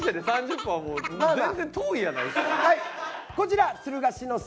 はいこちら。